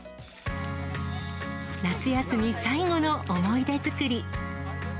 夏休み最後の思い出作り。